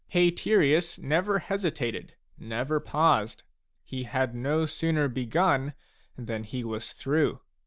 Haterius never hesitated, never paused ; he had no sooner begun than he was through.